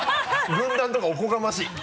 軍団とかおこがましい。